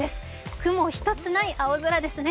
雲一つない青空ですね。